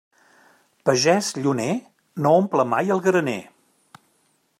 Pagès lluner no omple mai el graner.